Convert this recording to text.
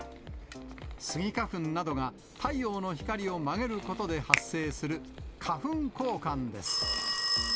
スギ花粉などが太陽の光を曲げることで発生する、花粉光環です。